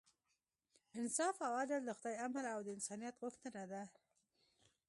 انصاف او عدل د خدای امر او د انسانیت غوښتنه ده.